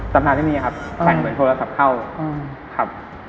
สำราคต์ที่มีครับสั่นเหมือนโทรศัพท์เข้า